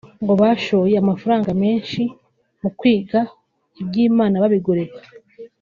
ngo bashoye amafaranga menshi mukwiga iby’Imana babigoreka